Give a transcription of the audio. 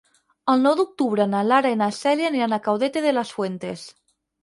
El nou d'octubre na Lara i na Cèlia iran a Caudete de las Fuentes.